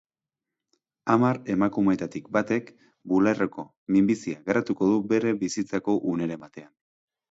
Hamar emakumeetatik batek bularreko minbizia garatuko du bere bizitzako uneren batean.